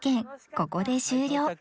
ここで終了